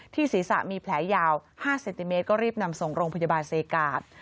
ศีรษะมีแผลยาว๕เซนติเมตรก็รีบนำส่งโรงพยาบาลเซกาศ